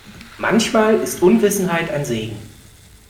Manchmal ist Unwissenheit ein Segen.